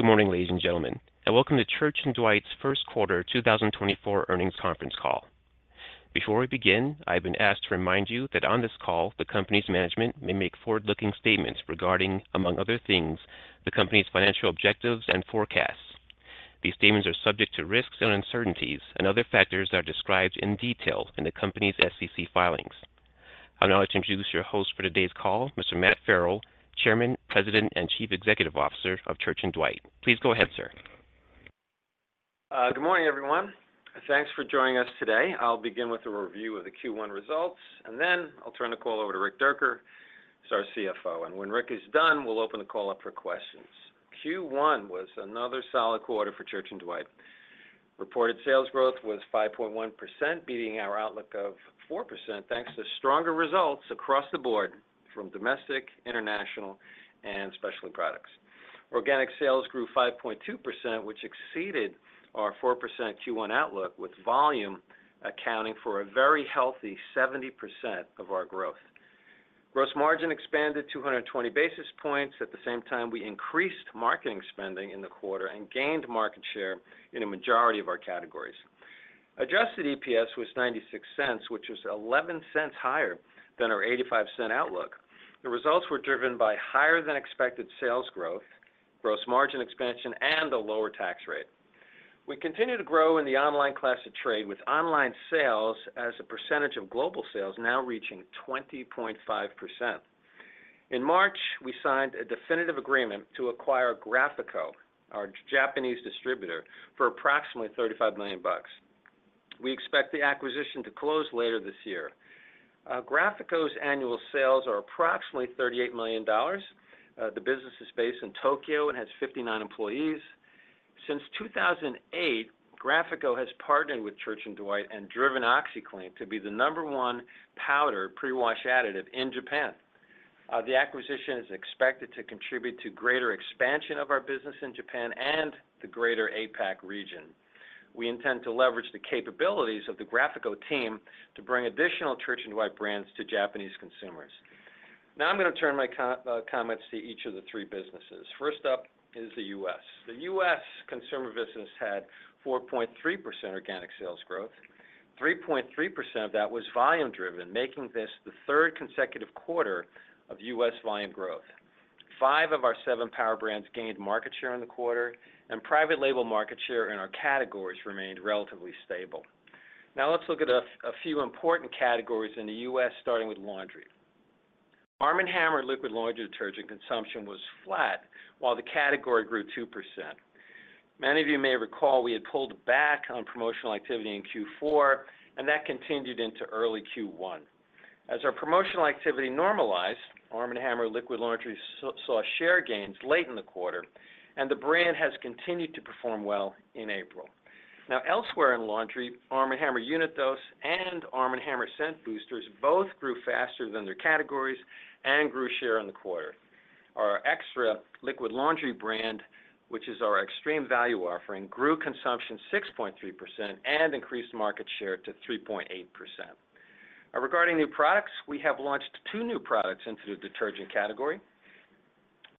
Good morning, ladies and gentlemen, and welcome to Church & Dwight's first quarter 2024 earnings conference call. Before we begin, I have been asked to remind you that on this call, the company's management may make forward-looking statements regarding, among other things, the company's financial objectives and forecasts. These statements are subject to risks and uncertainties and other factors that are described in detail in the company's SEC filings. I'll now introduce your host for today's call, Mr. Matt Farrell, Chairman, President, and Chief Executive Officer of Church & Dwight. Please go ahead, sir. Good morning, everyone. Thanks for joining us today. I'll begin with a review of the Q1 results, and then I'll turn the call over to Rick Dierker, who's our CFO. When Rick is done, we'll open the call up for questions. Q1 was another solid quarter for Church & Dwight. Reported sales growth was 5.1%, beating our outlook of 4%, thanks to stronger results across the board from domestic, international, and specialty products. Organic sales grew 5.2%, which exceeded our 4% Q1 outlook, with volume accounting for a very healthy 70% of our growth. Gross margin expanded 220 basis points. At the same time, we increased marketing spending in the quarter and gained market share in a majority of our categories. Adjusted EPS was $0.96, which was $0.11 higher than our $0.85 outlook. The results were driven by higher than expected sales growth, gross margin expansion, and a lower tax rate. We continue to grow in the online class of trade, with online sales as a percentage of global sales now reaching 20.5%. In March, we signed a definitive agreement to acquire Graphico, our Japanese distributor, for approximately $35 million. We expect the acquisition to close later this year. Graphico's annual sales are approximately $38 million. The business is based in Tokyo and has 59 employees. Since 2008, Graphico has partnered with Church & Dwight and driven OxiClean to be the number one powder pre-wash additive in Japan. The acquisition is expected to contribute to greater expansion of our business in Japan and the greater APAC region. We intend to leverage the capabilities of the Graphico team to bring additional Church & Dwight brands to Japanese consumers. Now, I'm gonna turn my comments to each of the three businesses. First up is the U.S. The U.S. consumer business had 4.3% organic sales growth. 3.3% of that was volume-driven, making this the third consecutive quarter of U.S. volume growth. Five of our seven power brands gained market share in the quarter, and private label market share in our categories remained relatively stable. Now, let's look at a few important categories in the U.S., starting with laundry. ARM & HAMMER liquid laundry detergent consumption was flat, while the category grew 2%. Many of you may recall we had pulled back on promotional activity in Q4, and that continued into early Q1. As our promotional activity normalized, ARM & HAMMER liquid laundry saw share gains late in the quarter, and the brand has continued to perform well in April. Now, elsewhere in laundry, ARM & HAMMER Unit Dose and ARM & HAMMER Scent Boosters both grew faster than their categories and grew share in the quarter. Our XTRA liquid laundry brand, which is our extreme value offering, grew consumption 6.3% and increased market share to 3.8%. Now, regarding new products, we have launched two new products into the detergent category: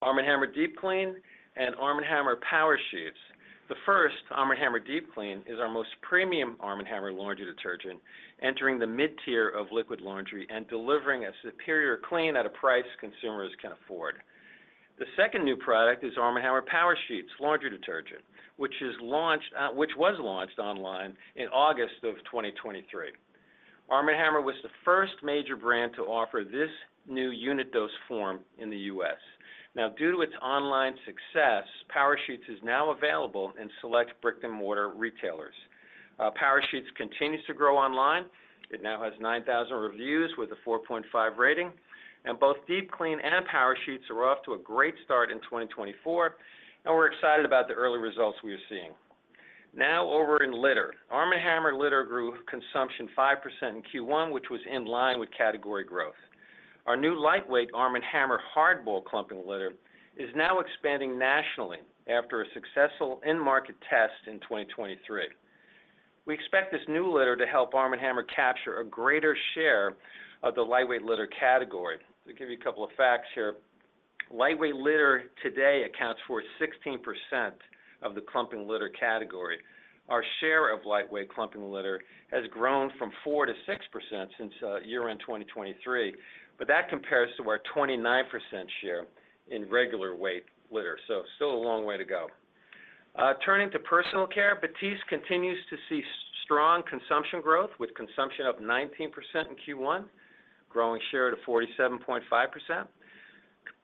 ARM & HAMMER Deep Clean and ARM & HAMMER Power Sheets. The first, ARM & HAMMER Deep Clean, is our most premium ARM & HAMMER laundry detergent, entering the mid-tier of liquid laundry and delivering a superior clean at a price consumers can afford. The second new product is ARM & HAMMER Power Sheets laundry detergent, which was launched online in August of 2023. ARM & HAMMER was the first major brand to offer this new unit dose form in the US. Now, due to its online success, Power Sheets is now available in select brick-and-mortar retailers. Power Sheets continues to grow online. It now has 9,000 reviews with a 4.5 rating, and both Deep Clean and Power Sheets are off to a great start in 2024, and we're excited about the early results we are seeing. Now, over in litter. ARM & HAMMER litter grew consumption 5% in Q1, which was in line with category growth. Our new lightweight ARM & HAMMER Hardball clumping litter is now expanding nationally after a successful in-market test in 2023. We expect this new litter to help ARM & HAMMER capture a greater share of the lightweight litter category. To give you a couple of facts here, lightweight litter today accounts for 16% of the clumping litter category. Our share of lightweight clumping litter has grown from 4%-6% since year-end 2023, but that compares to our 29% share in regular weight litter, so still a long way to go. Turning to personal care, Batiste continues to see strong consumption growth, with consumption up 19% in Q1, growing share to 47.5%.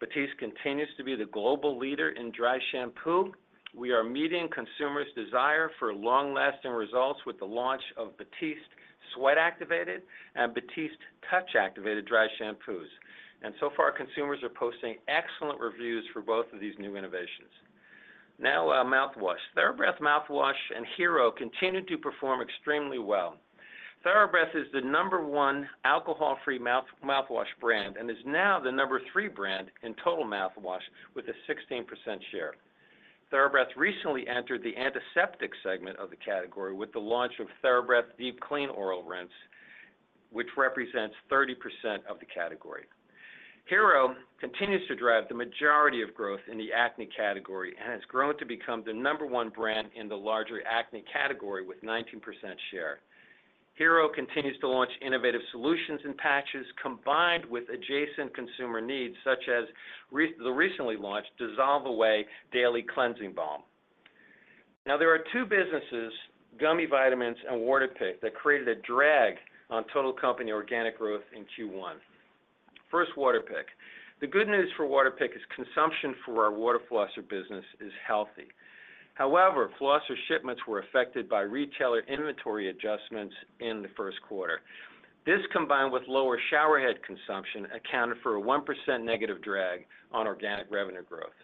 Batiste continues to be the global leader in dry shampoo. We are meeting consumers' desire for long-lasting results with the launch of Batiste Sweat Activated and Batiste Touch Activated dry shampoos, and so far, consumers are posting excellent reviews for both of these new innovations. Now, mouthwash. TheraBreath Mouthwash and Hero continued to perform extremely well. TheraBreath is the number one alcohol-free mouthwash brand and is now the number three brand in total mouthwash with a 16% share. TheraBreath recently entered the antiseptic segment of the category with the launch of TheraBreath Deep Clean Oral Rinse, which represents 30% of the category. Hero continues to drive the majority of growth in the acne category and has grown to become the number one brand in the larger acne category, with 19% share. Hero continues to launch innovative solutions and patches, combined with adjacent consumer needs, such as the recently launched Dissolve Away Daily Cleansing Balm. Now, there are two businesses, gummy vitamins and Waterpik, that created a drag on total company organic growth in Q1. First, Waterpik. The good news for Waterpik is consumption for our water flosser business is healthy. However, flosser shipments were affected by retailer inventory adjustments in the first quarter. This, combined with lower shower head consumption, accounted for a 1% negative drag on organic revenue growth.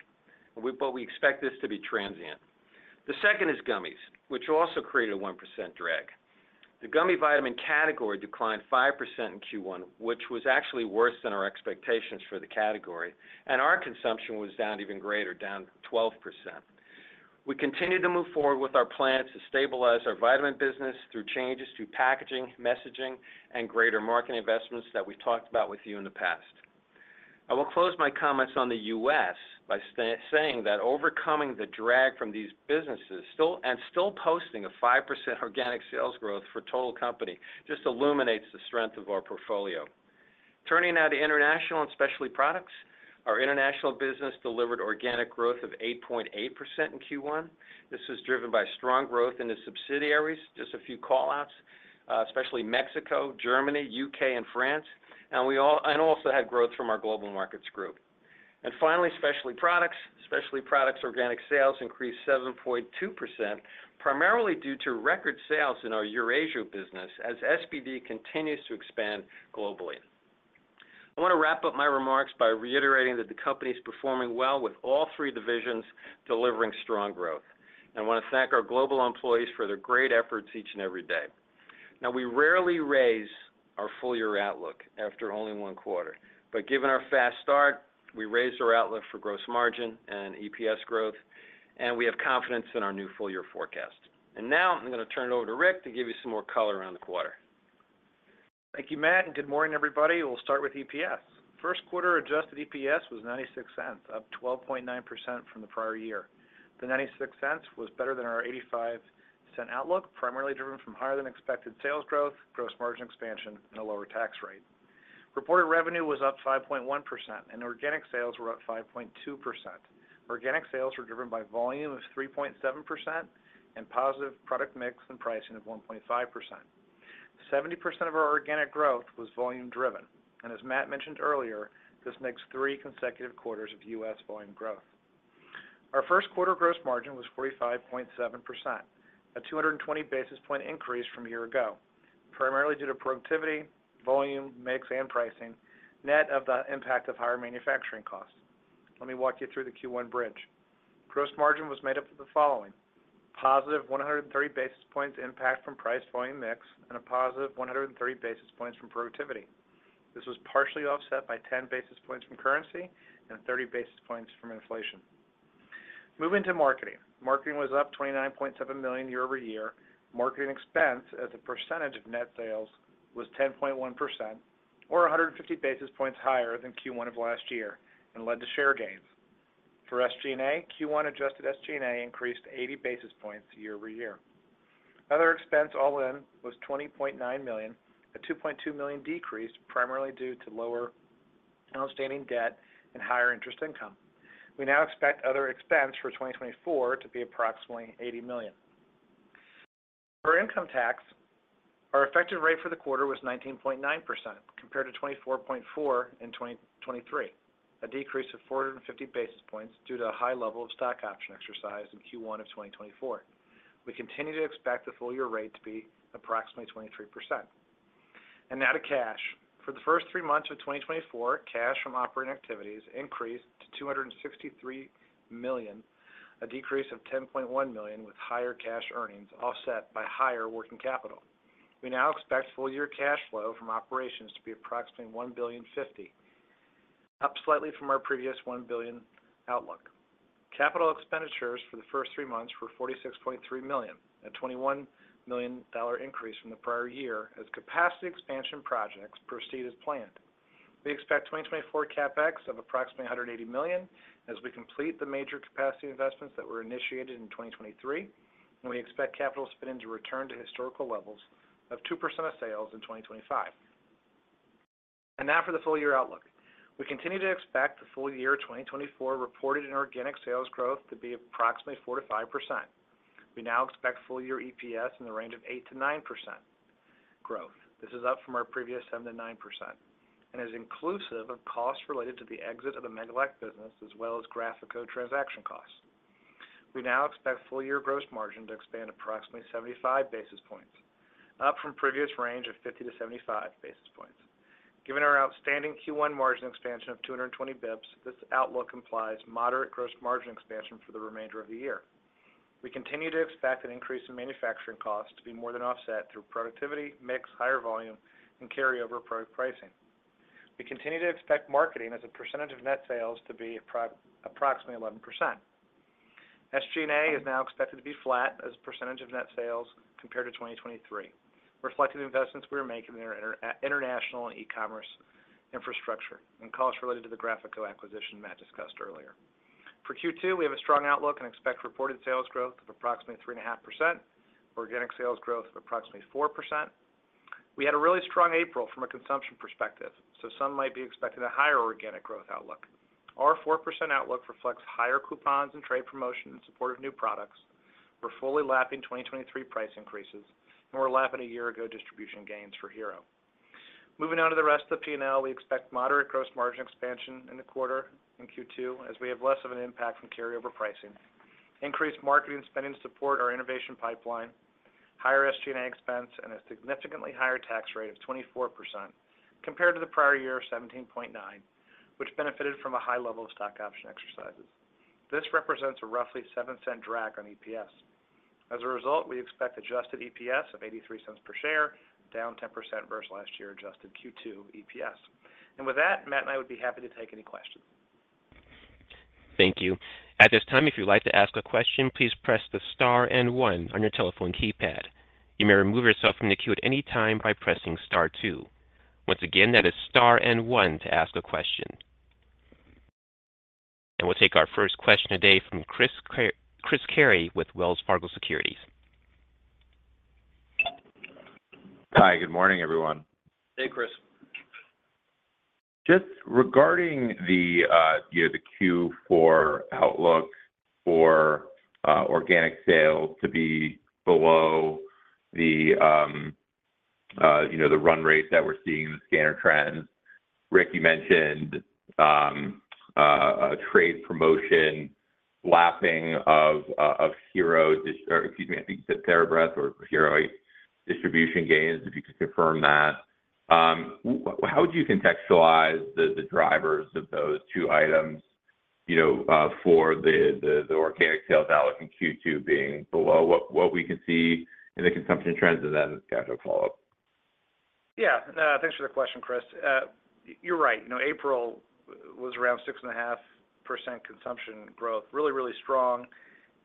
But we expect this to be transient. The second is gummies, which also created a 1% drag. The gummy vitamin category declined 5% in Q1, which was actually worse than our expectations for the category, and our consumption was down even greater, down 12%. We continue to move forward with our plans to stabilize our vitamin business through changes to packaging, messaging, and greater marketing investments that we've talked about with you in the past. I will close my comments on the U.S. by saying that overcoming the drag from these businesses still, and still posting a 5% organic sales growth for total company, just illuminates the strength of our portfolio. Turning now to international and specialty products. Our international business delivered organic growth of 8.8% in Q1. This is driven by strong growth in the subsidiaries, just a few call-outs, especially Mexico, Germany, UK, and France, and also had growth from our global markets group. And finally, specialty products. Specialty products organic sales increased 7.2%, primarily due to record sales in our Eurasia business, as SPD continues to expand globally. I wanna wrap up my remarks by reiterating that the company is performing well with all three divisions delivering strong growth. I wanna thank our global employees for their great efforts each and every day. Now, we rarely raise our full year outlook after only one quarter, but given our fast start, we raised our outlook for gross margin and EPS growth, and we have confidence in our new full-year forecast. Now I'm gonna turn it over to Rick to give you some more color around the quarter. Thank you, Matt, and good morning, everybody. We'll start with EPS. First quarter adjusted EPS was $0.96, up 12.9% from the prior year. The $0.96 was better than our $0.85 outlook, primarily driven from higher than expected sales growth, gross margin expansion, and a lower tax rate. Reported revenue was up 5.1%, and organic sales were up 5.2%. Organic sales were driven by volume of 3.7% and positive product mix and pricing of 1.5%. 70% of our organic growth was volume-driven, and as Matt mentioned earlier, this makes three consecutive quarters of U.S. volume growth. Our first quarter gross margin was 45.7%, a 220 basis points increase from a year ago, primarily due to productivity, volume, mix, and pricing, net of the impact of higher manufacturing costs. Let me walk you through the Q1 bridge. Gross margin was made up of the following: positive 130 basis points impact from price volume mix, and a positive 130 basis points from productivity. This was partially offset by 10 basis points from currency and 30 basis points from inflation. Moving to marketing. Marketing was up $29.7 million year-over-year. Marketing expense as a percentage of net sales was 10.1%, or 150 basis points higher than Q1 of last year and led to share gains. For SG&A, Q1 adjusted SG&A increased 80 basis points year-over-year. Other expense all-in was $20.9 million, a $2.2 million decrease, primarily due to lower outstanding debt and higher interest income. We now expect other expense for 2024 to be approximately $80 million. For income tax, our effective rate for the quarter was 19.9%, compared to 24.4% in 2023, a decrease of 450 basis points due to a high level of stock option exercise in Q1 of 2024. We continue to expect the full year rate to be approximately 23%. Now to cash. For the first three months of 2024, cash from operating activities increased to $263 million, a decrease of $10.1 million, with higher cash earnings offset by higher working capital. We now expect full-year cash flow from operations to be approximately $1.05 billion, up slightly from our previous $1 billion outlook. Capital expenditures for the first three months were $46.3 million, a $21 million increase from the prior year as capacity expansion projects proceed as planned. We expect 2024 CapEx of approximately $180 million as we complete the major capacity investments that were initiated in 2023, and we expect capital spending to return to historical levels of 2% of sales in 2025. And now for the full-year outlook. We continue to expect the full-year 2024 reported and organic sales growth to be approximately 4%-5%. We now expect full-year EPS in the range of 8%-9% growth. This is up from our previous 7%-9% and is inclusive of costs related to the exit of the Megalac business, as well as Graphico transaction costs. We now expect full year gross margin to expand approximately 75 basis points, up from previous range of 50-75 basis points. Given our outstanding Q1 margin expansion of 220 basis points, this outlook implies moderate gross margin expansion for the remainder of the year. We continue to expect an increase in manufacturing costs to be more than offset through productivity, mix, higher volume, and carryover product pricing. We continue to expect marketing as a percentage of net sales to be approximately 11%.... SG&A is now expected to be flat as a percentage of net sales compared to 2023, reflecting the investments we are making in our international and e-commerce infrastructure and costs related to the Graphico acquisition Matt discussed earlier. For Q2, we have a strong outlook and expect reported sales growth of approximately 3.5%, organic sales growth of approximately 4%. We had a really strong April from a consumption perspective, so some might be expecting a higher organic growth outlook. Our 4% outlook reflects higher coupons and trade promotion in support of new products. We're fully lapping 2023 price increases, and we're lapping a year ago distribution gains for Hero. Moving on to the rest of the P&L, we expect moderate gross margin expansion in the quarter in Q2, as we have less of an impact from carryover pricing, increased marketing spending to support our innovation pipeline, higher SG&A expense, and a significantly higher tax rate of 24% compared to the prior year of 17.9%, which benefited from a high level of stock option exercises. This represents a roughly $0.07 drag on EPS. As a result, we expect adjusted EPS of $0.83 per share, down 10% versus last year, adjusted Q2 EPS. And with that, Matt and I would be happy to take any questions. Thank you. At this time, if you'd like to ask a question, please press the star and one on your telephone keypad. You may remove yourself from the queue at any time by pressing star two. Once again, that is star and one to ask a question. We'll take our first question today from Chris Carey with Wells Fargo Securities. Hi, good morning, everyone. Hey, Chris. Just regarding the, you know, the Q4 outlook for organic sales to be below the, you know, the run rate that we're seeing in the scanner trends, Rick, you mentioned a trade promotion lapping of Hero, or excuse me, I think TheraBreath or Hero distribution gains, if you could confirm that. How would you contextualize the drivers of those two items, you know, for the organic sales outlook in Q2 being below what we can see in the consumption trends? And then I have a follow-up. Yeah. Thanks for the question, Chris. You're right. You know, April was around 6.5% consumption growth. Really, really strong,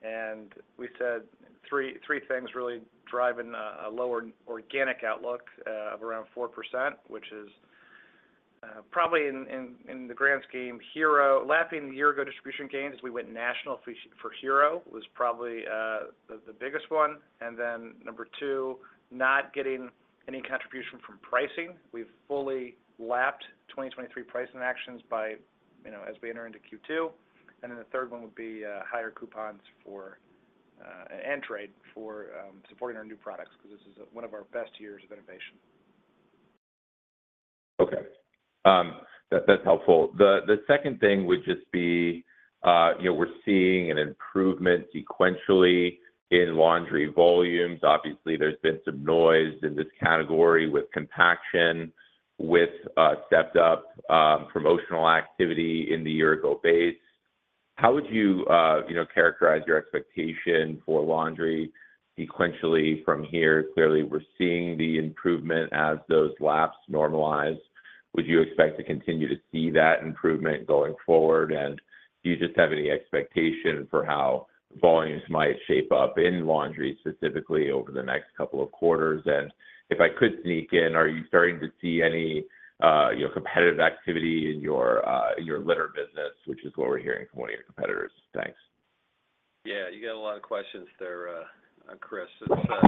and we said three things really driving a lower organic outlook of around 4%, which is probably in the grand scheme, Hero lapping the year-ago distribution gains, we went national for Hero, was probably the biggest one, and then number two, not getting any contribution from pricing. We've fully lapped 2023 pricing actions by, you know, as we enter into Q2, and then the third one would be higher coupons and trade for supporting our new products, because this is one of our best years of innovation. Okay. That's helpful. The second thing would just be, you know, we're seeing an improvement sequentially in laundry volumes. Obviously, there's been some noise in this category with compaction, with stepped up promotional activity in the year ago base. How would you, you know, characterize your expectation for laundry sequentially from here? Clearly, we're seeing the improvement as those laps normalize. Would you expect to continue to see that improvement going forward? And do you just have any expectation for how volumes might shape up in laundry, specifically over the next couple of quarters? And if I could sneak in, are you starting to see any, you know, competitive activity in your litter business, which is what we're hearing from one of your competitors. Thanks. Yeah, you got a lot of questions there, Chris.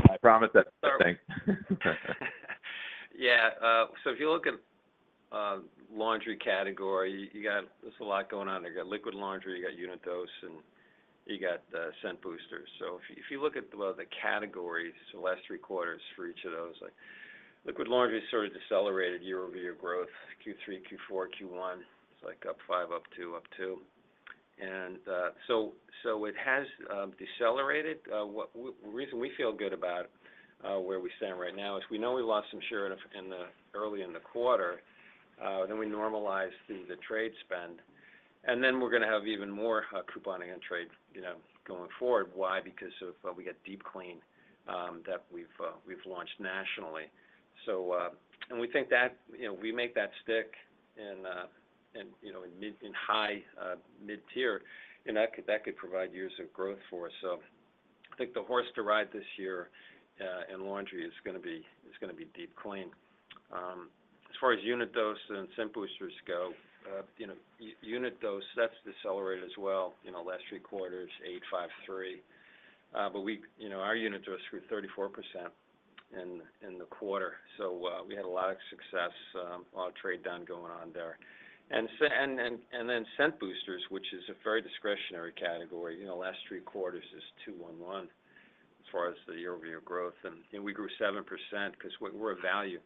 I promise that's everything. Yeah, so if you look at laundry category, you got-- there's a lot going on there. You got liquid laundry, you got unit dose, and you got scent boosters. So if you look at, well, the categories the last three quarters for each of those, like, liquid laundry sort of decelerated year-over-year growth, Q3, Q4, Q1. It's like up 5%, up 2%, up 2%. And so it has decelerated. What-- the reason we feel good about where we stand right now is we know we lost some share in the early in the quarter, then we normalized the trade spend, and then we're gonna have even more couponing and trade, you know, going forward. Why? Because of we got Deep Clean that we've launched nationally. So, we think that, you know, we make that stick in, you know, in mid- and high mid-tier, and that could provide years of growth for us. So I think the horse to ride this year in laundry is gonna be Deep Clean. As far as unit dose and scent boosters go, you know, unit dose, that's decelerated as well, you know, last three quarters, 8, 5, 3. But we, you know, our unit dose grew 34% in the quarter, so we had a lot of success, a lot of trade done going on there. And then scent boosters, which is a very discretionary category, you know, last three quarters is 2, 1, 1, as far as the year-over-year growth, and we grew 7% because we're a value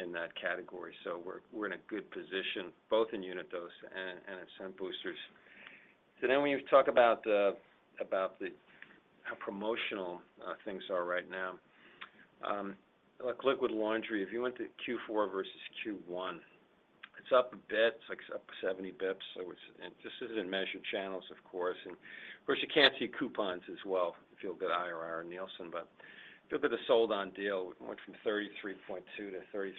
in that category, so we're in a good position, both in unit dose and in scent boosters. So then when you talk about the how promotional things are right now, like liquid laundry, if you went to Q4 versus Q1, it's up a bit, it's like up 70 basis points. So it's, and this is in measured channels, of course. And of course, you can't see coupons as well if you have good IRR in Nielsen, but if you look at the sold-on deal, it went from 33.2 to 33.9,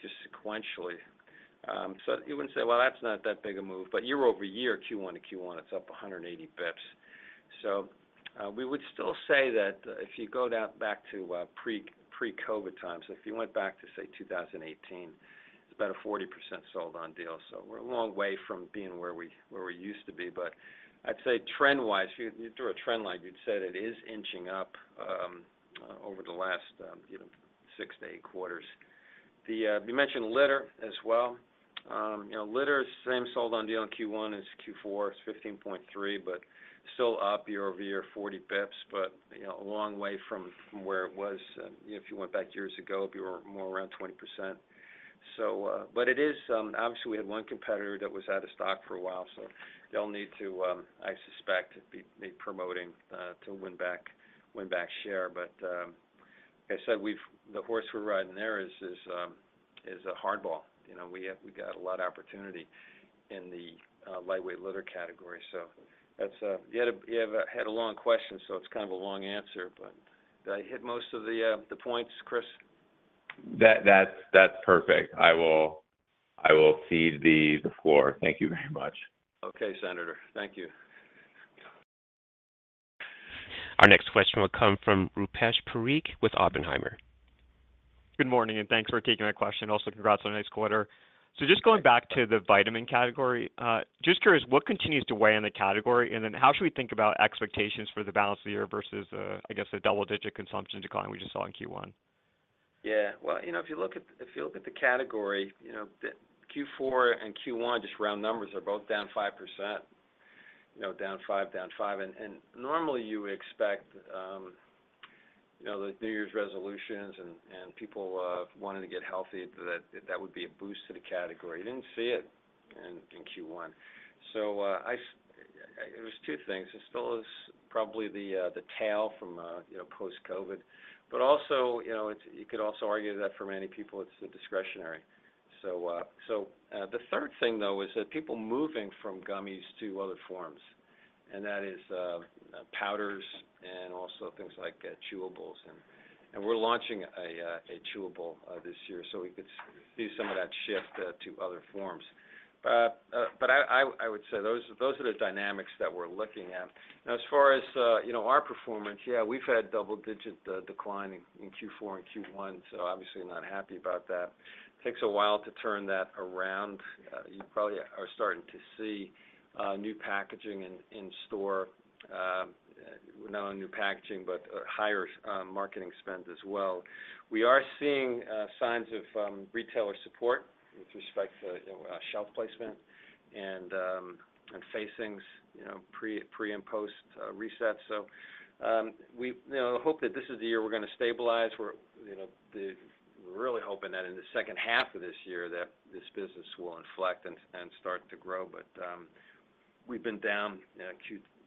just sequentially. So you wouldn't say, well, that's not that big a move, but year-over-year, Q1 to Q1, it's up 180 basis points. So, we would still say that, if you go down back to, pre-COVID times, if you went back to, say, 2018, it's about a 40% sold on deal. So we're a long way from being where we used to be. But I'd say trend-wise, if you drew a trend line, you'd say it is inching up, over the last, you know, six to eight quarters. The, you mentioned litter as well. You know, litter is the same sold on deal in Q1 as Q4, it's 15.3%, but still up year-over-year, 40 basis points, but, you know, a long way from where it was. If you went back years ago, it'd be more around 20%. So, but it is... Obviously, we had one competitor that was out of stock for a while, so they'll need to, I suspect, be promoting to win back share. But, like I said, we've—the horse we're riding there is Hardball. You know, we have—we got a lot of opportunity in the lightweight litter category. So that's, you had a long question, so it's kind of a long answer, but did I hit most of the points, Chris? That's perfect. I will cede the floor. Thank you very much. Okay, Senator. Thank you. Our next question will come from Rupesh Parikh with Oppenheimer. Good morning, and thanks for taking my question. Also, congrats on a nice quarter. So just going back to the vitamin category, just curious, what continues to weigh on the category? And then how should we think about expectations for the balance of the year versus, I guess, the double-digit consumption decline we just saw in Q1? Yeah, well, you know, if you look at the category, you know, the Q4 and Q1, just round numbers, are both down 5%. You know, down 5, down 5. And normally, you would expect, you know, the New Year's resolutions and people wanting to get healthy, that would be a boost to the category. You didn't see it in Q1. So, it was two things. It still is probably the tail from, you know, post-COVID, but also, you know, it's, you could also argue that for many people, it's the discretionary. So, the third thing, though, is that people moving from gummies to other forms, and that is powders and also things like chewables. We're launching a chewable this year, so we could see some of that shift to other forms. But I would say those are the dynamics that we're looking at. Now, as far as you know, our performance, yeah, we've had double-digit decline in Q4 and Q1, so obviously not happy about that. Takes a while to turn that around. You probably are starting to see new packaging in store, not only new packaging, but higher marketing spend as well. We are seeing signs of retailer support with respect to you know, shelf placement and facings, you know, pre- and post-reset. So, we you know, hope that this is the year we're gonna stabilize. We're, you know, we're really hoping that in the second half of this year, that this business will inflect and start to grow. But, we've been down, you know,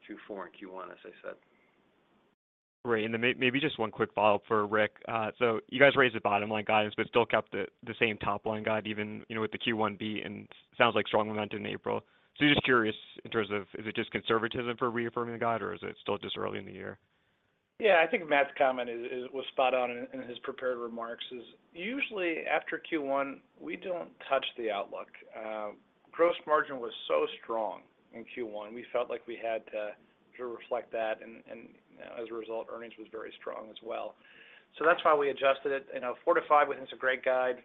Q4 and Q1, as I said. Great. And then maybe just one quick follow-up for Rick. So you guys raised the bottom line guidance, but still kept the same top-line guide, even, you know, with the Q1B, and sounds like strong demand in April. So just curious, in terms of, is it just conservatism for reaffirming the guide, or is it still just early in the year? Yeah, I think Matt's comment was spot on in his prepared remarks. Usually after Q1, we don't touch the outlook. Gross margin was so strong in Q1, we felt like we had to reflect that, and as a result, earnings was very strong as well. So that's why we adjusted it. You know, 4-5 isn't a great guide.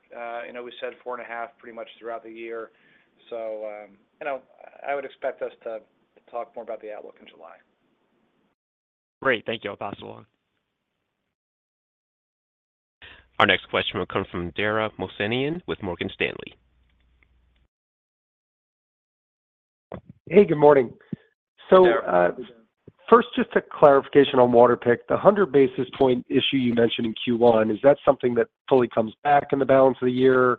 You know, we said 4.5 pretty much throughout the year. So, you know, I would expect us to talk more about the outlook in July. Great. Thank you. I'll pass along. Our next question will come from Dara Mohsenian with Morgan Stanley. Hey, good morning. Dara, how are you? So, first, just a clarification on Waterpik. The 100 basis point issue you mentioned in Q1, is that something that fully comes back in the balance of the year?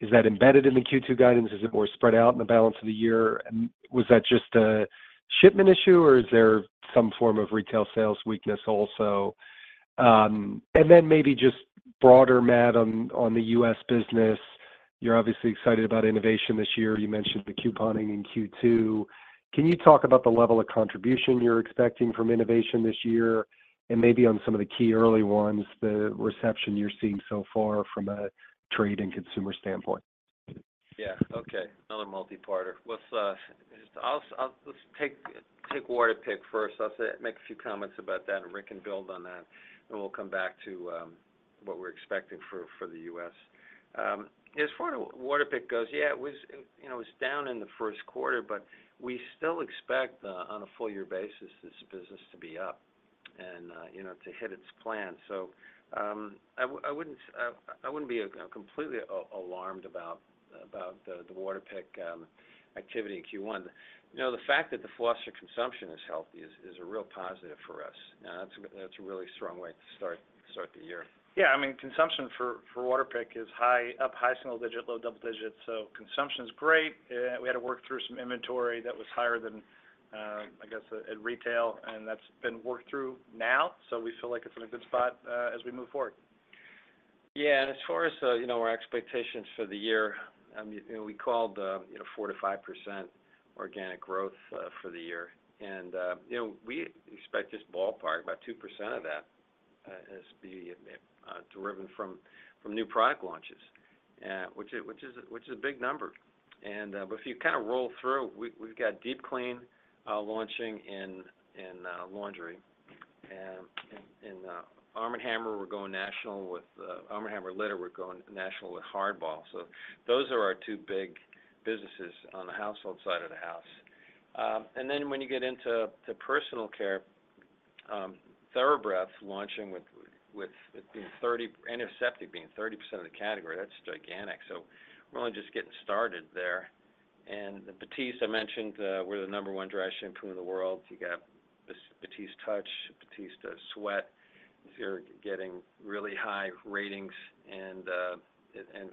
Is that embedded in the Q2 guidance? Is it more spread out in the balance of the year? And was that just a shipment issue, or is there some form of retail sales weakness also? And then maybe just broader, Matt, on, on the U.S. business. You're obviously excited about innovation this year. You mentioned the couponing in Q2. Can you talk about the level of contribution you're expecting from innovation this year, and maybe on some of the key early ones, the reception you're seeing so far from a trade and consumer standpoint? Yeah, okay. Another multi-parter. Let's just take Waterpik first. I'll say, make a few comments about that, and Rick can build on that, and we'll come back to what we're expecting for the U.S. As far as Waterpik goes, yeah, it was, you know, it was down in the first quarter, but we still expect on a full year basis, this business to be up and, you know, to hit its plan. So, I wouldn't be completely alarmed about the Waterpik activity in Q1. You know, the fact that the flosser consumption is healthy is a real positive for us. Now, that's a really strong way to start the year. Yeah, I mean, consumption for Waterpik is high, up high single digit, low double digit, so consumption's great. We had to work through some inventory that was higher than, I guess, at retail, and that's been worked through now, so we feel like it's in a good spot, as we move forward. Yeah, and as far as you know, our expectations for the year, I mean, you know, we called a 4%-5% organic growth for the year. And you know, we expect just ballpark, about 2% of that as being driven from new product launches, which is a big number. And but if you kind of roll through, we've got Deep Clean launching in laundry. And ARM & HAMMER, we're going national with ARM & HAMMER Litter, we're going national with Hardball. So those are our two big businesses on the household side of the house. And then when you get into the personal care, TheraBreath is launching with it representing 30% of the category. That's gigantic. So we're only just getting started there. And the Batiste, I mentioned, we're the number one dry shampoo in the world. You got this Batiste Touch, Batiste Sweat. They're getting really high ratings and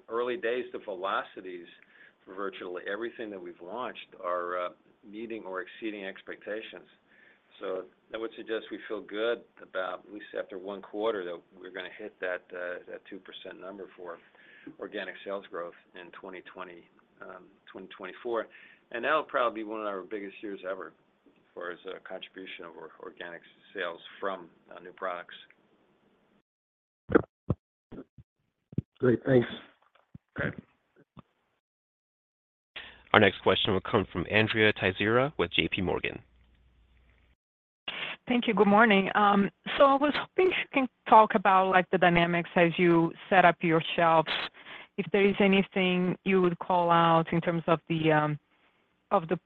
early days, the velocities for virtually everything that we've launched are meeting or exceeding expectations. So I would suggest we feel good about, at least after one quarter, that we're gonna hit that 2% number for organic sales growth in 2024. And that'll probably be one of our biggest years ever as far as the contribution of our organic sales from new products. Great. Thanks. Okay. Our next question will come from Andrea Teixeira with JP Morgan. Thank you. Good morning. So I was hoping you can talk about, like, the dynamics as you set up your shelves. If there is anything you would call out in terms of the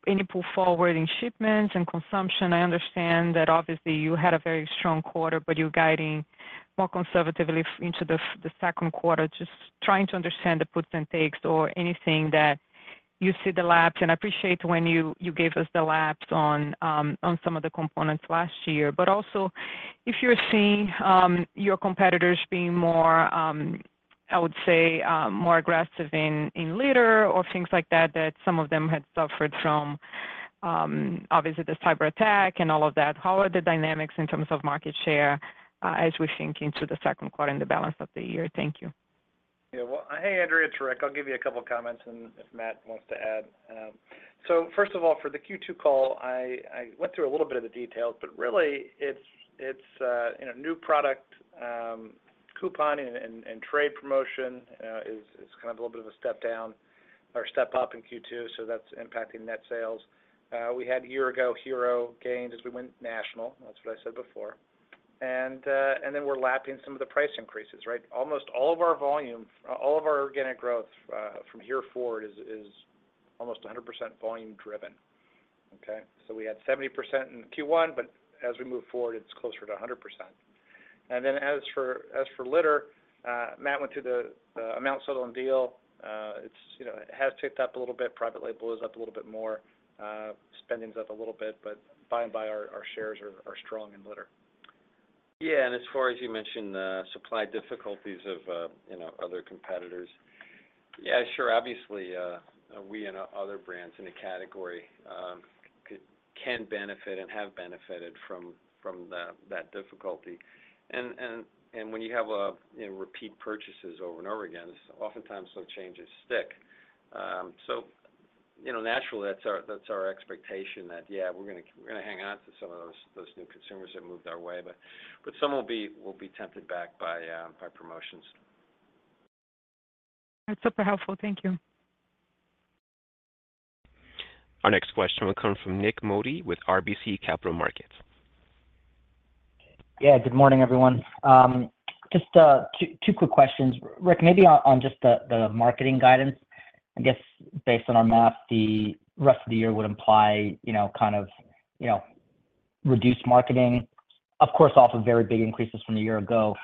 any pull forward in shipments and consumption. I understand that obviously, you had a very strong quarter, but you're guiding more conservatively into the second quarter. Just trying to understand the puts and takes or anything that you see the lapse. And I appreciate when you gave us the lapse on some of the components last year. But also, if you're seeing your competitors being more, I would say, more aggressive in litter or things like that, that some of them had suffered from, obviously, the cyberattack and all of that, how are the dynamics in terms of market share, as we think into the second quarter and the balance of the year? Thank you. Yeah. Well, hey, Andrea, it's Rick. I'll give you a couple of comments, and if Matt wants to add. So first of all, for the Q2 call, I went through a little bit of the details, but really, it's you know, new product, couponing and trade promotion is kind of a little bit of a step down or step up in Q2, so that's impacting net sales. We had a year ago, Hero gained as we went national. That's what I said before. And then we're lapping some of the price increases, right? Almost all of our volume, all of our organic growth from here forward is almost 100% volume driven, okay? So we had 70% in Q1, but as we move forward, it's closer to 100%. As for litter, Matt went through the amount sold on deal. You know, it has ticked up a little bit. Private label is up a little bit more, spending is up a little bit, but by and large, our shares are strong in litter. Yeah, and as far as you mentioned, the supply difficulties of other competitors. Yeah, sure. Obviously, we and other brands in the category can benefit and have benefited from that difficulty. And when you have repeat purchases over and over again, oftentimes, those changes stick. So, naturally, that's our expectation that, yeah, we're gonna hang on to some of those new consumers that moved our way, but some will be tempted back by promotions. That's super helpful. Thank you. Our next question will come from Nik Modi with RBC Capital Markets. Yeah, good morning, everyone. Just, two quick questions. Rick, maybe on just the marketing guidance. I guess based on our math, the rest of the year would imply, you know, kind of, you know, reduced marketing, of course, off of very big increases from the year ago.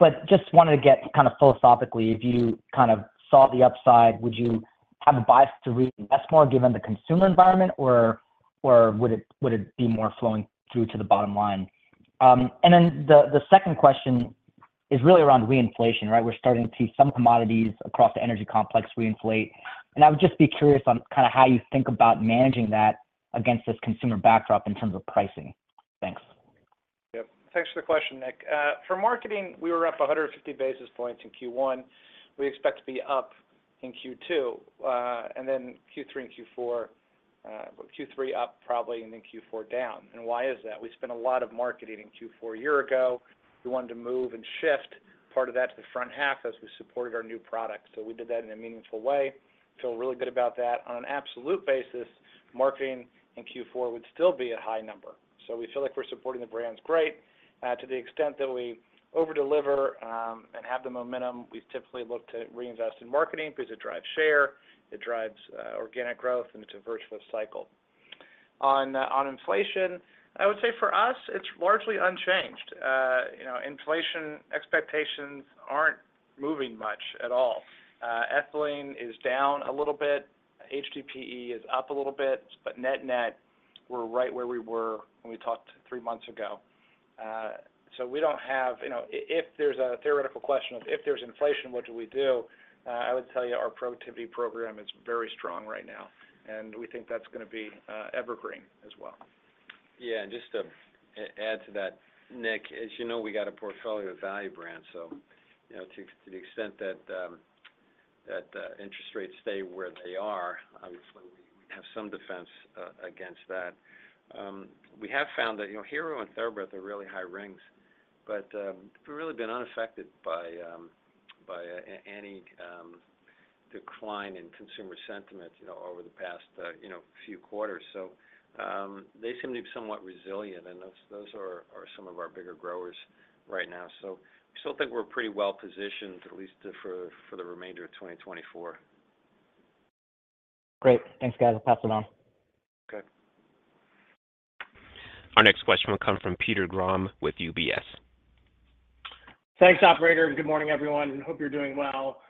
But just wanted to get kind of philosophically, if you kind of saw the upside, would you have a bias to reinvest more given the consumer environment, or would it be more flowing through to the bottom line? And then the second question is really around reinflation, right? We're starting to see some commodities across the energy complex reinflate, and I would just be curious on kinda how you think about managing that against this consumer backdrop in terms of pricing. Thanks. Yep. Thanks for the question, Nik. For marketing, we were up 150 basis points in Q1. We expect to be up in Q2, and then Q3 and Q4, but Q3 up probably, and then Q4 down. And why is that? We spent a lot of marketing in Q4 a year ago. We wanted to move and shift part of that to the front half as we supported our new products. So we did that in a meaningful way. Feel really good about that. On an absolute basis, marketing in Q4 would still be a high number. So we feel like we're supporting the brands great. To the extent that we overdeliver and have the momentum, we've typically looked to reinvest in marketing because it drives share, it drives organic growth, and it's a virtuous cycle. On inflation, I would say for us, it's largely unchanged. You know, inflation expectations aren't moving much at all. Ethylene is down a little bit, HDPE is up a little bit, but net-net, we're right where we were when we talked three months ago. So we don't have. You know, if there's a theoretical question of if there's inflation, what do we do? I would tell you our productivity program is very strong right now, and we think that's gonna be evergreen as well.... Yeah, and just to add to that, Nik, as you know, we got a portfolio of value brands. So, you know, to the extent that interest rates stay where they are, obviously, we have some defense against that. We have found that, you know, Hero and TheraBreath are really high rings, but we've really been unaffected by any decline in consumer sentiment, you know, over the past few quarters. So, they seem to be somewhat resilient, and those are some of our bigger growers right now. So we still think we're pretty well positioned, at least for the remainder of 2024. Great. Thanks, guys. I'll pass it on. Okay. Our next question will come from Peter Grom with UBS. Thanks, operator. Good morning, everyone, and hope you're doing well.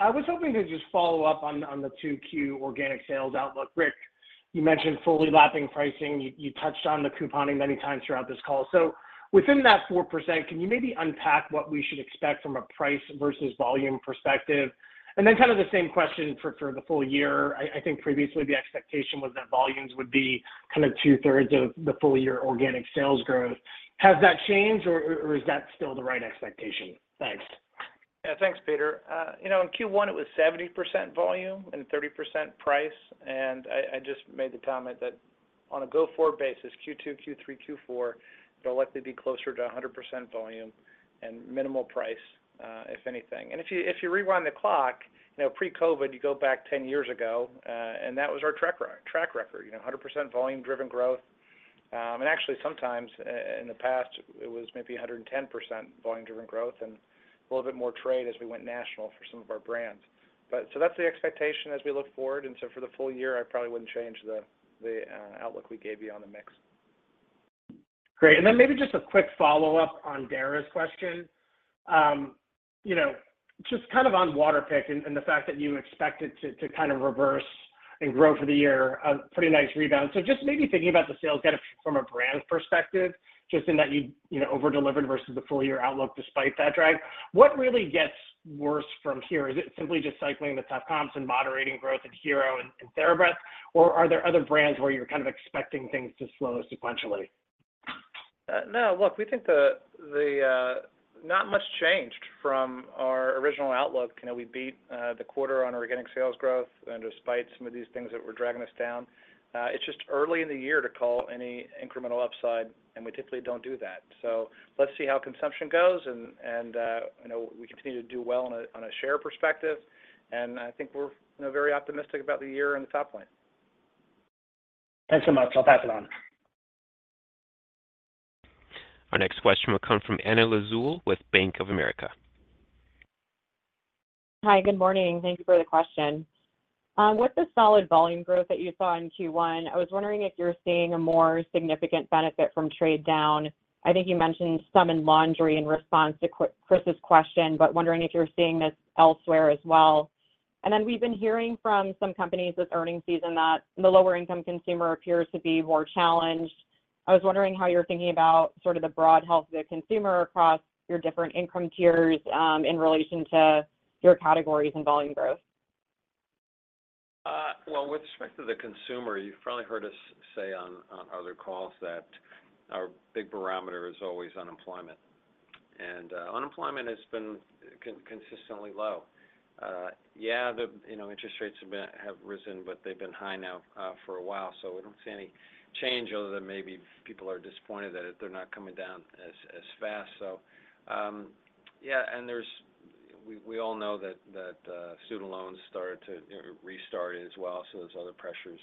I was hoping to just follow up on the 2Q organic sales outlook. Rick, you mentioned fully lapping pricing. You touched on the couponing many times throughout this call. So within that 4%, can you maybe unpack what we should expect from a price versus volume perspective? And then kind of the same question for the full year. I think previously the expectation was that volumes would be kind of 2/3 of the full year organic sales growth. Has that changed, or is that still the right expectation? Thanks. Yeah. Thanks, Peter. You know, in Q1, it was 70% volume and 30% price. And I just made the comment that on a go-forward basis, Q2, Q3, Q4, they'll likely be closer to 100% volume and minimal price, if anything. And if you rewind the clock, you know, pre-COVID, you go back 10 years ago, and that was our track record, you know, 100% volume-driven growth. And actually, in the past, it was maybe 110% volume-driven growth and a little bit more trade as we went national for some of our brands. But so that's the expectation as we look forward. And so for the full year, I probably wouldn't change the outlook we gave you on the mix. Great. And then maybe just a quick follow-up on Dara's question. You know, just kind of on Waterpik and, and the fact that you expect it to, to kind of reverse and grow for the year, a pretty nice rebound. So just maybe thinking about the sales kind of from a brand perspective, just in that you, you know, over-delivered versus the full year outlook despite that drag. What really gets worse from here? Is it simply just cycling the tough comps and moderating growth in Hero and TheraBreath, or are there other brands where you're kind of expecting things to slow sequentially? No, look, we think not much changed from our original outlook. You know, we beat the quarter on our organic sales growth, and despite some of these things that were dragging us down, it's just early in the year to call any incremental upside, and we typically don't do that. So let's see how consumption goes, and, you know, we continue to do well on a share perspective, and I think we're, you know, very optimistic about the year and the top line. Thanks so much. I'll pass it on. Our next question will come from Anna Lizzul with Bank of America. Hi, good morning. Thank you for the question. With the solid volume growth that you saw in Q1, I was wondering if you're seeing a more significant benefit from trade down. I think you mentioned some in laundry in response to Chris's question, but wondering if you're seeing this elsewhere as well. And then we've been hearing from some companies this earnings season that the lower-income consumer appears to be more challenged. I was wondering how you're thinking about sort of the broad health of the consumer across your different income tiers, in relation to your categories and volume growth. Well, with respect to the consumer, you've probably heard us say on other calls that our big barometer is always unemployment, and unemployment has been consistently low. Yeah, you know, interest rates have risen, but they've been high now for a while, so we don't see any change other than maybe people are disappointed that they're not coming down as fast. So, yeah, and there's we all know that student loans started to restart as well, so there's other pressures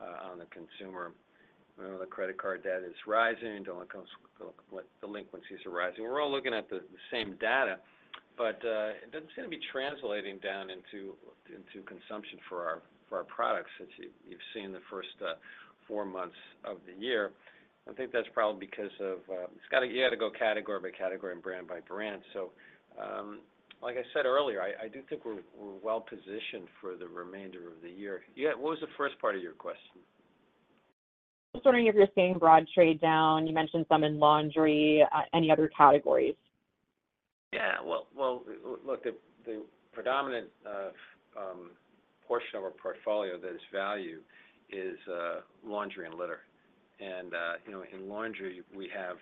on the consumer. We know the credit card debt is rising, delinquencies are rising. We're all looking at the same data, but it doesn't seem to be translating down into consumption for our products since you've seen the first four months of the year. I think that's probably because of, it's gotta, you gotta go category by category and brand by brand. So, like I said earlier, I do think we're well positioned for the remainder of the year. Yeah, what was the first part of your question? Just wondering if you're seeing broad trade down? You mentioned some in laundry. Any other categories? Yeah, well, well, look, the predominant portion of our portfolio that is value is laundry and litter. And, you know, in laundry, we have,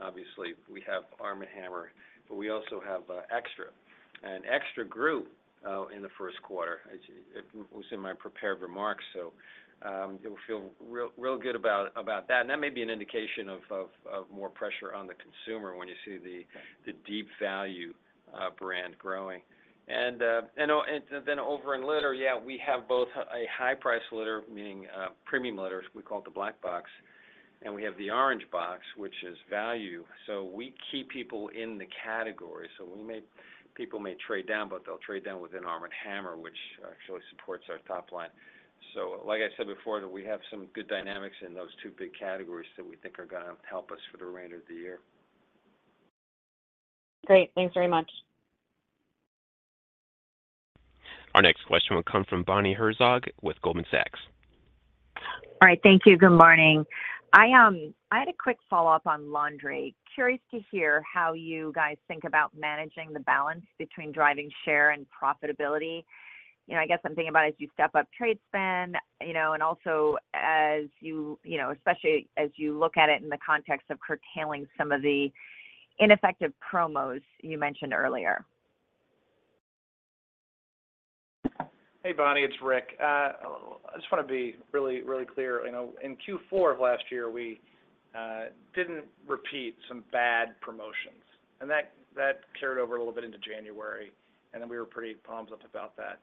obviously, we have ARM & HAMMER, but we also have XTRA. And XTRA grew in the first quarter, as it was in my prepared remarks, so you'll feel real, real good about that. And that may be an indication of more pressure on the consumer when you see the deep value brand growing. And, and, oh, and then over in litter, yeah, we have both a high-price litter, meaning premium litter, we call it the black box, and we have the orange box, which is value. So we keep people in the category. So people may trade down, but they'll trade down within ARM & HAMMER, which actually supports our top line. So like I said before, that we have some good dynamics in those two big categories that we think are gonna help us for the remainder of the year. Great. Thanks very much. Our next question will come from Bonnie Herzog with Goldman Sachs. All right, thank you. Good morning. I, I had a quick follow-up on laundry. Curious to hear how you guys think about managing the balance between driving share and profitability?... you know, I guess I'm thinking about as you step up trade spend, you know, and also as you, you know, especially as you look at it in the context of curtailing some of the ineffective promos you mentioned earlier. Hey, Bonnie, it's Rick. I just wanna be really, really clear. You know, in Q4 of last year, we didn't repeat some bad promotions, and that carried over a little bit into January, and then we were pretty palms up about that.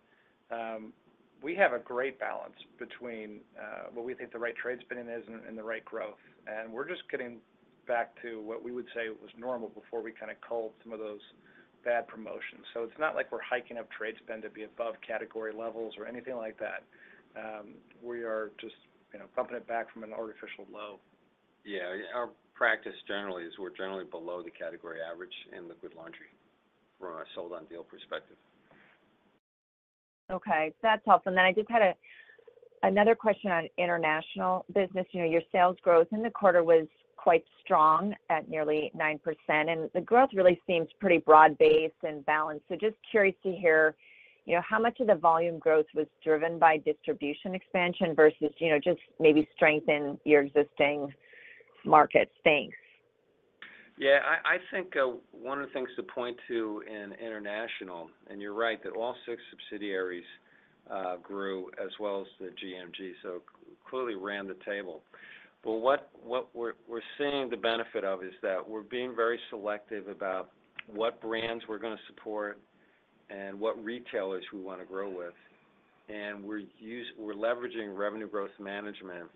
We have a great balance between what we think the right trade spend is and the right growth, and we're just getting back to what we would say was normal before we kinda culled some of those bad promotions. So it's not like we're hiking up trade spend to be above category levels or anything like that. We are just, you know, bumping it back from an artificial low. Yeah, our practice generally is we're generally below the category average in liquid laundry from a sold on deal perspective. Okay, that's helpful. And then I just had another question on international business. You know, your sales growth in the quarter was quite strong at nearly 9%, and the growth really seems pretty broad-based and balanced. So just curious to hear, you know, how much of the volume growth was driven by distribution expansion versus, you know, just maybe strength in your existing markets? Thanks. Yeah, I think one of the things to point to in international, and you're right, that all six subsidiaries grew as well as the GMG, so clearly ran the table. But what we're seeing the benefit of is that we're being very selective about what brands we're gonna support and what retailers we wanna grow with, and we're leveraging revenue growth management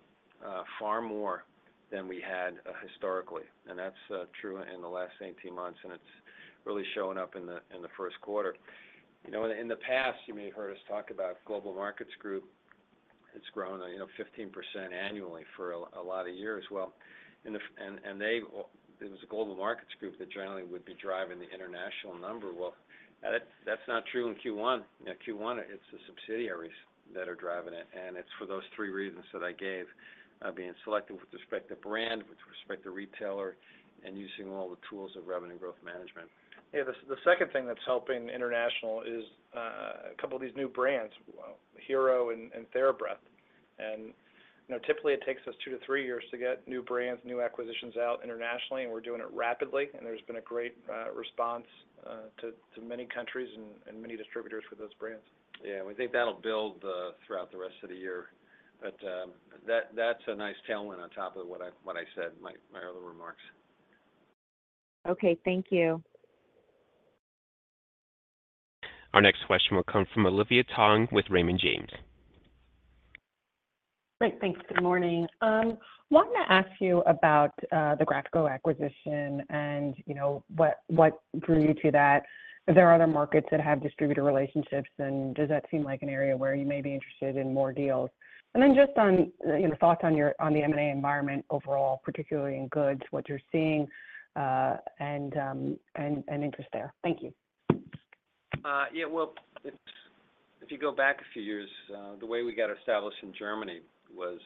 far more than we had historically, and that's true in the last 18 months, and it's really showing up in the first quarter. You know, in the past, you may have heard us talk about Global Markets Group. It's grown, you know, 15% annually for a lot of years. Well, it was a Global Markets Group that generally would be driving the international number. Well, that, that's not true in Q1. In Q1, it's the subsidiaries that are driving it, and it's for those three reasons that I gave, being selective with respect to brand, with respect to retailer, and using all the tools of revenue growth management. Yeah, the second thing that's helping international is a couple of these new brands, well, Hero and TheraBreath. And, you know, typically it takes us two to three years to get new brands, new acquisitions out internationally, and we're doing it rapidly, and there's been a great response to many countries and many distributors for those brands. Yeah, we think that'll build throughout the rest of the year. But, that, that's a nice tailwind on top of what I said, my other remarks. Okay, thank you. Our next question will come from Olivia Tong with Raymond James. Great, thanks. Good morning. Wanted to ask you about the Graphico acquisition and, you know, what drew you to that? Are there other markets that have distributor relationships, and does that seem like an area where you may be interested in more deals? And then just on, you know, thoughts on the M&A environment overall, particularly in goods, what you're seeing, and interest there. Thank you. Yeah, well, it's, if you go back a few years, the way we got established in Germany was,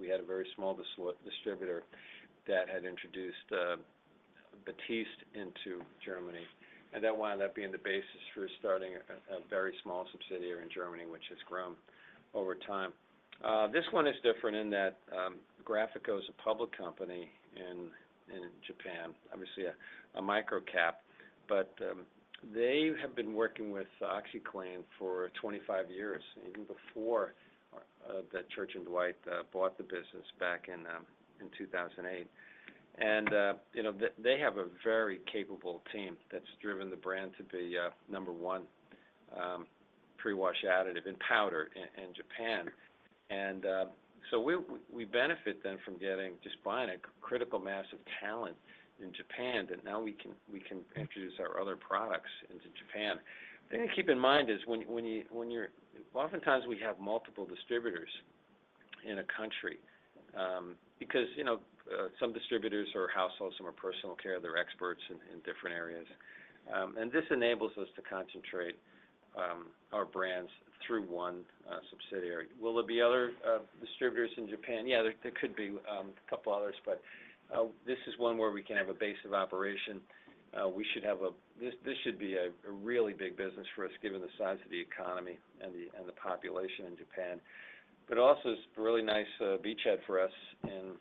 we had a very small distributor that had introduced Batiste into Germany, and that wound up being the basis for starting a very small subsidiary in Germany, which has grown over time. This one is different in that, Graphico is a public company in Japan, obviously a micro cap, but they have been working with OxiClean for 25 years, even before the Church & Dwight bought the business back in 2008. And you know, they have a very capable team that's driven the brand to be number one pre-wash additive and powder in Japan. So we benefit then from getting just buying a critical mass of talent in Japan, that now we can introduce our other products into Japan. The thing to keep in mind is when you oftentimes have multiple distributors in a country, because you know some distributors are household, some are personal care, they're experts in different areas. This enables us to concentrate our brands through one subsidiary. Will there be other distributors in Japan? Yeah, there could be a couple others, but this is one where we can have a base of operation. We should have a... This should be a really big business for us, given the size of the economy and the population in Japan. But also, it's a really nice beachhead for us in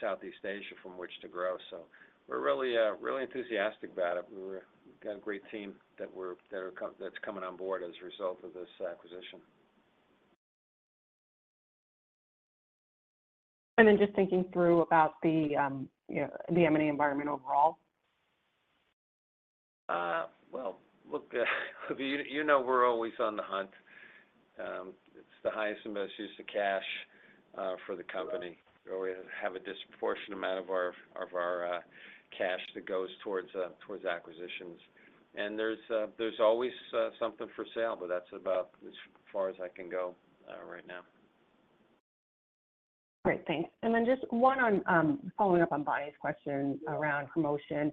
Southeast Asia from which to grow, so we're really, really enthusiastic about it. We've got a great team that's coming on board as a result of this acquisition. And then just thinking through about the, you know, the M&A environment overall. Well, look, you know, we're always on the hunt. It's the highest and best use of cash for the company, or we have a disproportionate amount of our cash that goes towards acquisitions. And there's always something for sale, but that's about as far as I can go right now. Great, thanks. And then just one on, following up on Bonnie's question around promotion.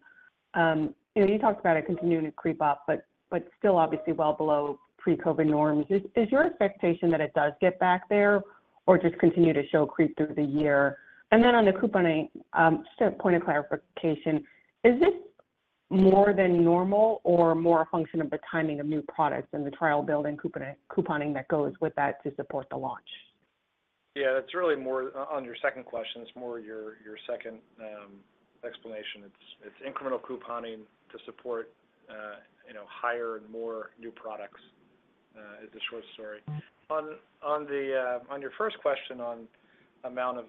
You know, you talked about it continuing to creep up, but, but still obviously well below pre-COVID norms. Is, is your expectation that it does get back there or just continue to show creep through the year? And then on the couponing, just a point of clarification: Is this more than normal or more a function of the timing of new products and the trial build and couponing, couponing that goes with that to support the launch? Yeah, it's really more on your second question. It's more your second explanation. It's incremental couponing to support, you know, higher and more new products is the short story. On the on your first question on amount of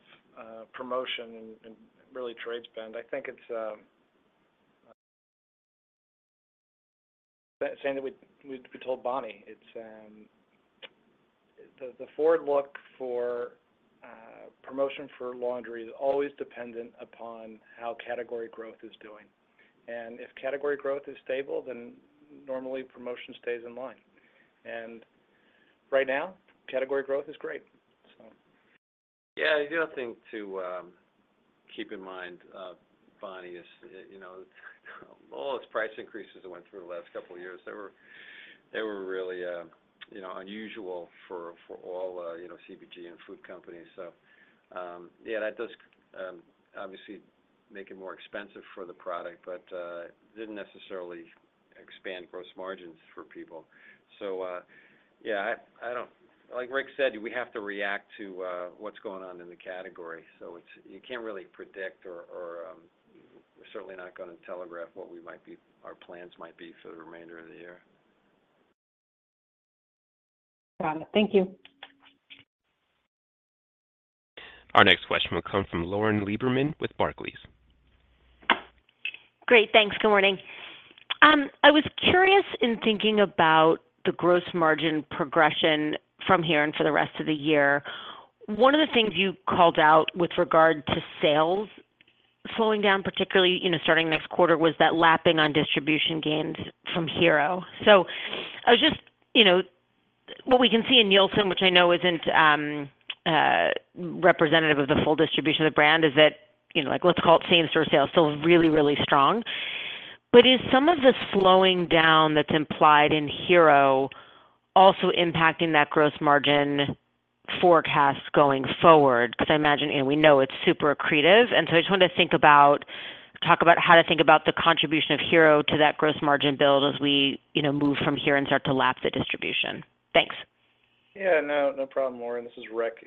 promotion and really trade spend, I think it's same that we told Bonnie, it's the forward look for promotion for laundry is always dependent upon how category growth is doing. And if category growth is stable, then normally promotion stays in line. And right now, category growth is great, so. Yeah, the other thing to keep in mind, Bonnie, is, you know, all those price increases that went through the last couple of years, they were really, you know, unusual for all, you know, CPG and food companies. So, yeah, that does obviously make it more expensive for the product, but didn't necessarily expand gross margins for people. So, yeah, I don't-- Like Rick said, we have to react to what's going on in the category, so it's, you can't really predict or, we're certainly not gonna telegraph what we might be-- our plans might be for the remainder of the year. Got it. Thank you. Our next question will come from Lauren Lieberman with Barclays. Great. Thanks. Good morning. I was curious in thinking about the gross margin progression from here and for the rest of the year. One of the things you called out with regard to sales slowing down, particularly, you know, starting next quarter, was that lapping on distribution gains from Hero. So I was just, you know, what we can see in Nielsen, which I know isn't representative of the full distribution of the brand, is that, you know, like, let's call it same store sales, still really, really strong. But is some of the slowing down that's implied in Hero also impacting that gross margin forecast going forward? 'Cause I imagine, and we know it's super accretive, and so I just wanted to talk about how to think about the contribution of Hero to that gross margin build as we, you know, move from here and start to lap the distribution. Thanks. Yeah, no, no problem, Lauren. This is Rick.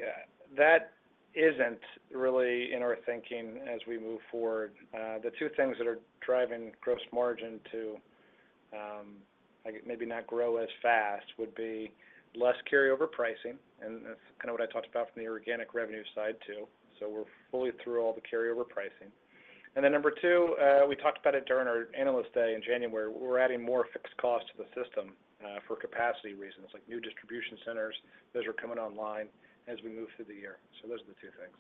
That isn't really in our thinking as we move forward. The two things that are driving gross margin to maybe not grow as fast would be less carryover pricing, and that's kinda what I talked about from the organic revenue side, too. So we're fully through all the carryover pricing. And then number two, we talked about it during our Analyst Day in January, we're adding more fixed costs to the system for capacity reasons, like new distribution centers. Those are coming online as we move through the year. So those are the two things.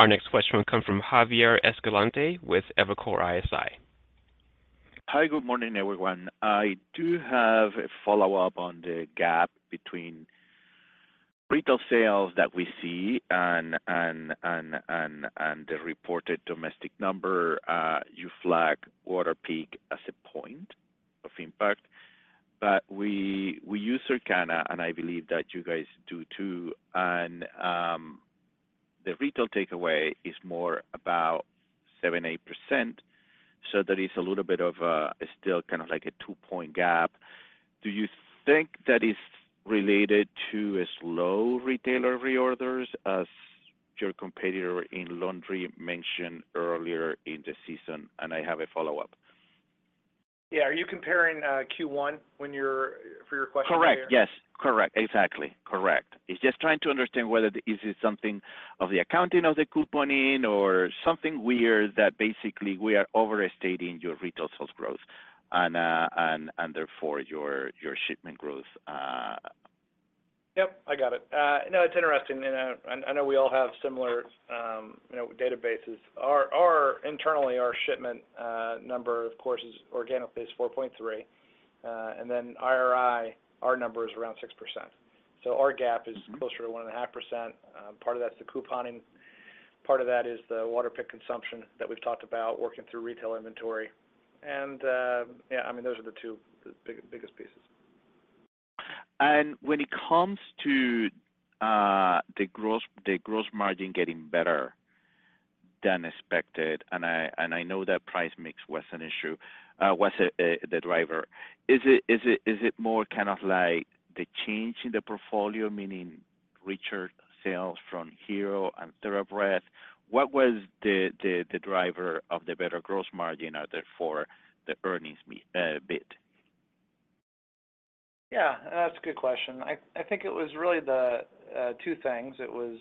Our next question will come from Javier Escalante with Evercore ISI. Hi, good morning, everyone. I do have a follow-up on the gap between retail sales that we see and the reported domestic number. You flag Waterpik as a point of impact, but we use Circana, and I believe that you guys do, too. The retail takeaway is more about 7-8%, so that is a little bit of a still kind of like a two-point gap. Do you think that is related to slow retailer reorders, as your competitor in laundry mentioned earlier in the season? I have a follow-up. Yeah. Are you comparing, Q1 when your, for your question? Correct. Yes, correct. Exactly, correct. It's just trying to understand whether is it something of the accounting of the couponing or something weird that basically we are overstating your retail sales growth and, and, and therefore, your, your shipment growth- Yep, I got it. No, it's interesting, and I know we all have similar, you know, databases. Our-- internally, our shipment number, of course, is organic 4.3, and then IRI, our number is around 6%. So our gap is closer to 1.5%. Part of that's the couponing, part of that is the Waterpik consumption that we've talked about, working through retail inventory. And yeah, I mean, those are the two biggest pieces. When it comes to the gross margin getting better than expected, and I know that price mix was an issue, was the driver. Is it more kind of like the change in the portfolio, meaning richer sales from Hero and TheraBreath? What was the driver of the better gross margin and therefore the earnings beat? Yeah, that's a good question. I think it was really the two things. It was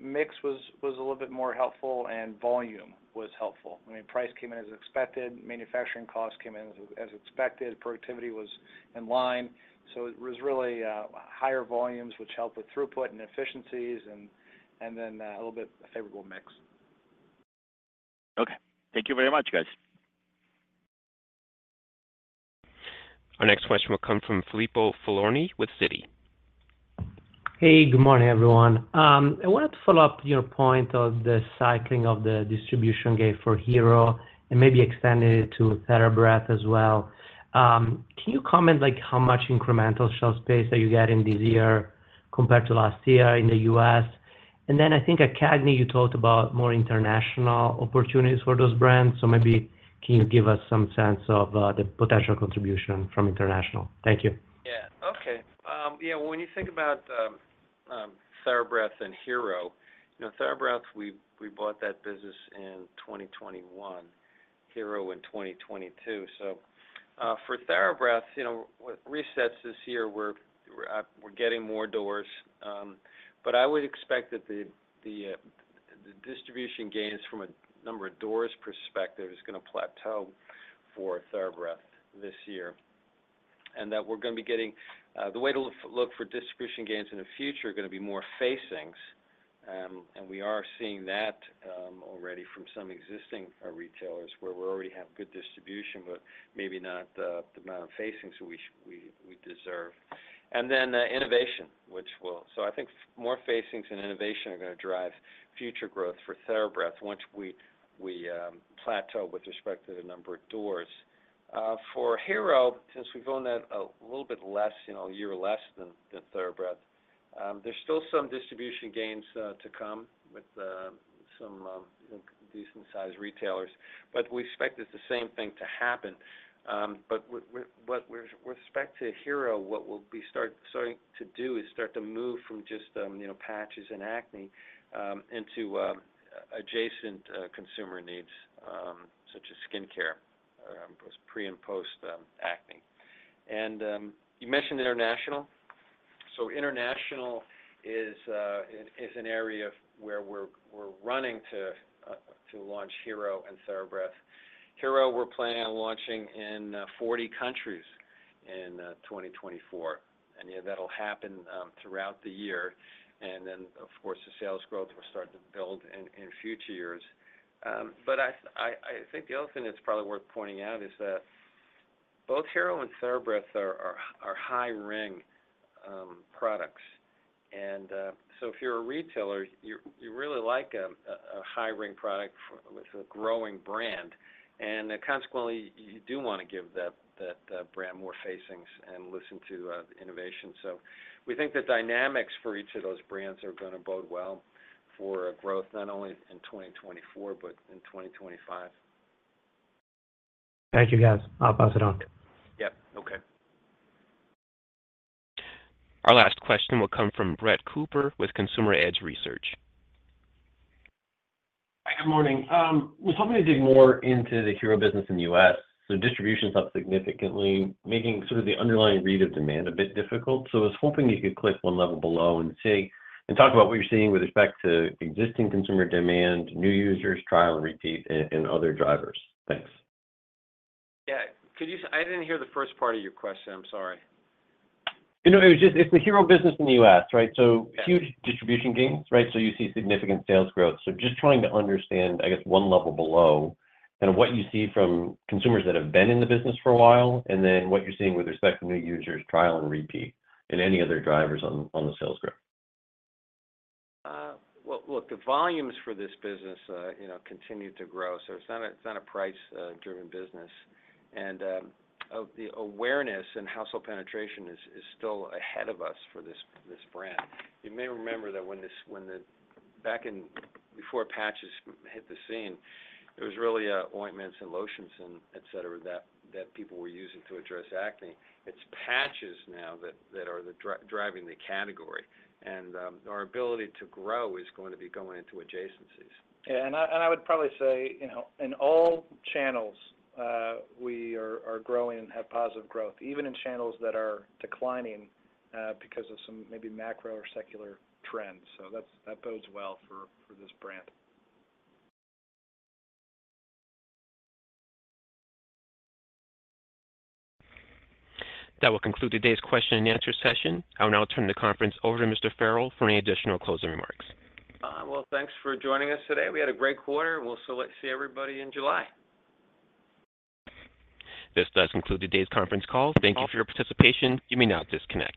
mix was a little bit more helpful and volume was helpful. I mean, price came in as expected, manufacturing cost came in as expected, productivity was in line. So it was really higher volumes, which helped with throughput and efficiencies and then a little bit favorable mix. Okay. Thank you very much, guys. Our next question will come from Filippo Falorni with Citi. Hey, good morning, everyone. I wanted to follow up your point of the cycling of the distribution gains for Hero and maybe extend it to TheraBreath as well. Can you comment, like, how much incremental shelf space are you getting this year compared to last year in the U.S.?... And then I think at CAGNY, you talked about more international opportunities for those brands. So maybe can you give us some sense of the potential contribution from international? Thank you. Yeah. Okay. Yeah, when you think about TheraBreath and Hero, you know, TheraBreath, we bought that business in 2021, Hero in 2022. So, for TheraBreath, you know, with resets this year, we're getting more doors. But I would expect that the distribution gains from a number of doors perspective is gonna plateau for TheraBreath this year, and that we're gonna be getting the way to look for distribution gains in the future are gonna be more facings. And we are seeing that already from some existing retailers where we already have good distribution, but maybe not the amount of facings we deserve. And then, so I think more facings and innovation are gonna drive future growth for TheraBreath once we plateau with respect to the number of doors. For Hero, since we've owned that a little bit less, you know, a year or less than TheraBreath, there's still some distribution gains to come with some decent-sized retailers, but we expect it's the same thing to happen. But what with respect to Hero, what we'll be starting to do is start to move from just, you know, patches and acne into adjacent consumer needs such as skincare, pre- and post acne. And you mentioned international. So international is an area where we're running to launch Hero and TheraBreath. Hero, we're planning on launching in 40 countries in 2024, and, yeah, that'll happen throughout the year. And then, of course, the sales growth will start to build in future years. But I think the other thing that's probably worth pointing out is that both Hero and TheraBreath are high-ring products. And so if you're a retailer, you really like a high-ring product for with a growing brand, and consequently, you do wanna give that brand more facings and listen to the innovation. So we think the dynamics for each of those brands are gonna bode well for growth, not only in 2024, but in 2025. Thank you, guys. I'll pass it on. Yep. Okay. Our last question will come from Brett Cooper with Consumer Edge Research. Hi, good morning. I was hoping to dig more into the Hero business in the US. So distribution is up significantly, making sort of the underlying read of demand a bit difficult. So I was hoping you could click one level below and see, and talk about what you're seeing with respect to existing consumer demand, new users, trial and repeat, and, and other drivers. Thanks. Yeah. Could you, I didn't hear the first part of your question. I'm sorry. You know, it was just, it's the Hero business in the U.S., right? So- Yeah. Huge distribution gains, right? So you see significant sales growth. So just trying to understand, I guess, one level below, and what you see from consumers that have been in the business for a while, and then what you're seeing with respect to new users, trial and repeat, and any other drivers on, on the sales growth. Well, look, the volumes for this business, you know, continue to grow, so it's not a, it's not a price driven business. And the awareness and household penetration is still ahead of us for this brand. You may remember that back in, before patches hit the scene, it was really ointments and lotions and et cetera that people were using to address acne. It's patches now that are driving the category, and our ability to grow is going to be going into adjacencies. Yeah, and I would probably say, you know, in all channels, we are growing and have positive growth, even in channels that are declining, because of some maybe macro or secular trends. So that bodes well for this brand. That will conclude today's question and answer session. I will now turn the conference over to Mr. Farrell for any additional closing remarks. Well, thanks for joining us today. We had a great quarter. We'll see everybody in July. This does conclude today's conference call. Thank you for your participation. You may now disconnect.